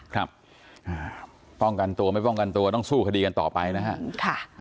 ครับป้องกันตัวไม่ป้องกันตัวต้องสู้คดีกันต่อไปนะฮะค่ะ